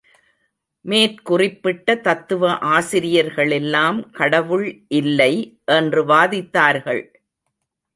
மேற்குறிப்பிட்ட தத்துவ ஆசிரியர்களெல்லாம் கடவுள் இல்லை என்று வாதித்தார்கள்?